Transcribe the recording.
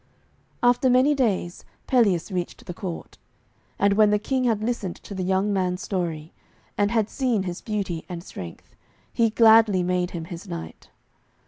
After many days Pelleas reached the court. And when the King had listened to the young man's story, and had seen his beauty and strength, he gladly made him his knight.